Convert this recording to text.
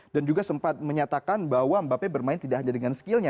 dan juga sempat menyatakan bahwa mbappe bermain tidak hanya dengan skillnya